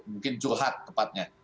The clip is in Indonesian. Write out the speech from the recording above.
mungkin jurhat tepatnya